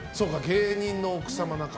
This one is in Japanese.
芸人の奥様。